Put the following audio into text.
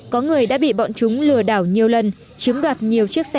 có người đã bị bọn chúng lừa đảo nhiều lần chiếm đoạt nhiều chiếc xe